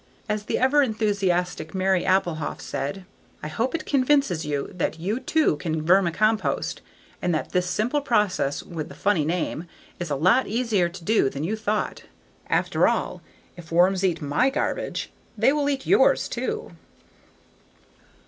As the ever enthusiastic Mary Applehof said: "I hope it convinces you that you, too, can vermicompost, and that this simple process with the funny name is a lot easier to do than you thought. After all, if worms eat my garbage, they will eat yours, too."